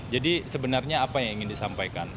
jadi sebenarnya apa yang ingin disampaikan